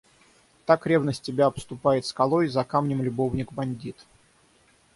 Так ревность тебя обступает скалой — за камнем любовник бандит.